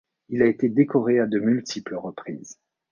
Il a été décoré à de multiples reprises.